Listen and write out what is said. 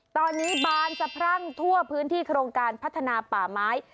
ตอนนี้บานสะพรั่งทั่วพื้นที่โครงการพัฒนาป่าไม้